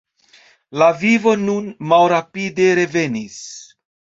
La vivo nur malrapide revenis.